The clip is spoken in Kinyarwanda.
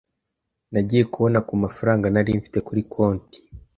Nagiye kubona ku mafaranga nari mfite kuri konti